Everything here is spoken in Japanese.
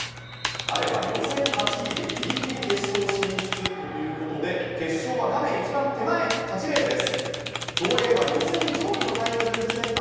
彼は予選８位でギリギリ決勝進出ということで決勝は８レーンです。